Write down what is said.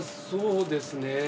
そうですね。